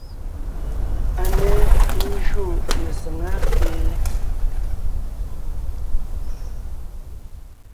A ne ńjÿô mesàŋá kee?